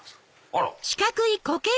あら！